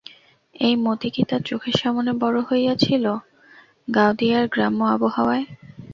এই মতি কি তার চোখের সামনে বড় হইয়াছিল গাওদিয়ার গ্রাম্য আবহাওয়ায়?